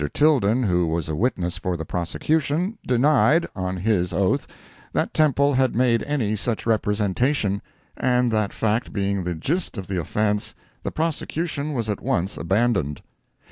Tilden, who was a witness for the prosecution, denied, on his oath, that Temple had made any such representation, and that fact being the gist of the offence, the prosecution was at once abandoned.